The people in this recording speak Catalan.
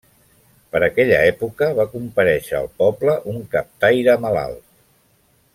Per aquella època va comparèixer al poble un captaire malalt.